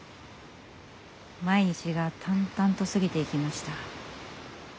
毎日が淡々と過ぎていきました。